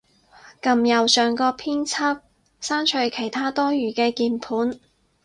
撳右上角編輯，刪除其它多餘嘅鍵盤